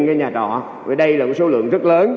cái nhà trọ và đây là một số lượng rất lớn